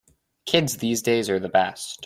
Kids these days are the best.